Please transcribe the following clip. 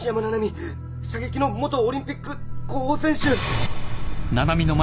射撃の元オリンピック候補選手。